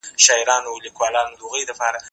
زه اجازه لرم چي د کتابتون د کار مرسته وکړم؟!